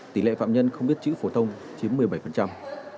tỷ lệ phạm nhân không biết chữ phổ thông chiếm một mươi bảy